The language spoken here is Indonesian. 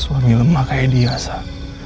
suami lemah kayak dia sah